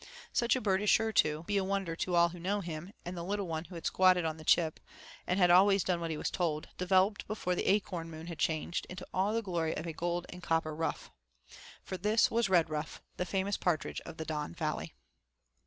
Such a bird is sure to be a wonder to all who know him, and the little one who had squatted on the chip, and had always done what he was told, developed before the Acorn Moon had changed, into all the glory of a gold and copper ruff for this was Redruff, the famous partridge of the Don Valley.